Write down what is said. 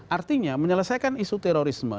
artinya menyelesaikan isu terorisme